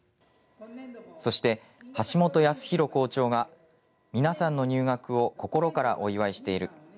そして橋本康裕校長が皆さんの入学を心からお祝いしている。